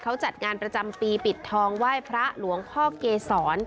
เขาจัดงานประจำปีปิดทองไหว้พระหลวงพ่อเกษร